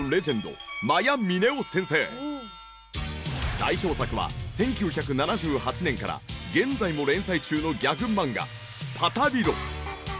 代表作は１９７８年から現在も連載中のギャグ漫画『パタリロ！』。